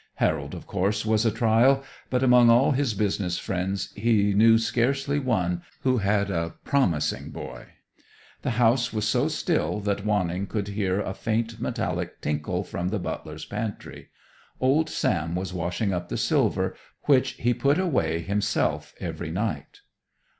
Harold, of course, was a trial; but among all his business friends, he knew scarcely one who had a promising boy. The house was so still that Wanning could hear a faint, metallic tinkle from the butler's pantry. Old Sam was washing up the silver, which he put away himself every night.